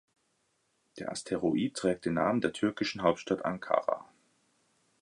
Der Asteroid trägt den Namen der türkischen Hauptstadt Ankara.